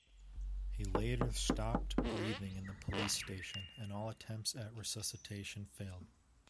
He later stopped breathing in the police station and all attempts at resuscitation failed.